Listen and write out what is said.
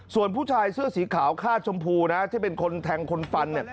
ส่วนผู้ชายเสื้อสีขาวคาดชมพูนะที่เป็นคนแทงคนฟัน